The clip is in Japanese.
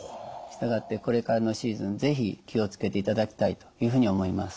したがってこれからのシーズン是非気を付けていただきたいというふうに思います。